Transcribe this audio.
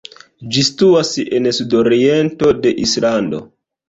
Ĝi situas en sudoriento de Islando.